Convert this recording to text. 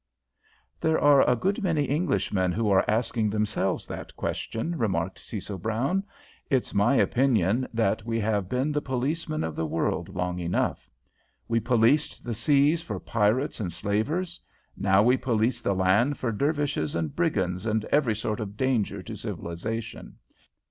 "There are a good many Englishmen who are asking themselves that question," remarked Cecil Brown. "It's my opinion that we have been the policemen of the world long enough. We policed the seas for pirates and slavers. Now we police the land for Dervishes and brigands and every sort of danger to civilisation.